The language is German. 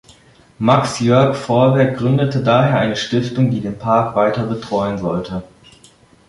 Max Jörg Vorwerk gründete daher eine Stiftung, die den Park weiter betreuen sollte.